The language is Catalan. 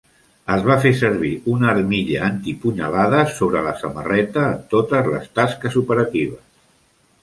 Es va fer servir una armilla antipunyalades sobre la samarreta en totes les tasques operatives.